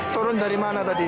turun dari mana tadi